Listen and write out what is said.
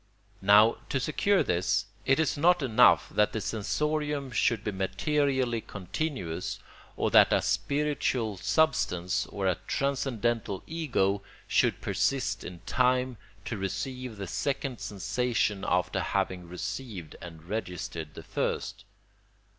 ] Now, to secure this, it is not enough that the sensorium should be materially continuous, or that a "spiritual substance" or a "transcendental ego" should persist in time to receive the second sensation after having received and registered the first.